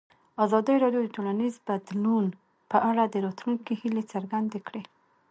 ازادي راډیو د ټولنیز بدلون په اړه د راتلونکي هیلې څرګندې کړې.